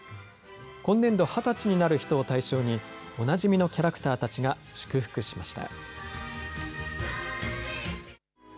今年度、２０歳になる人を対象におなじみのキャラクターたちが祝福しました。